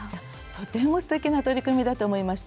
とてもすてきな取り組みだと思いました。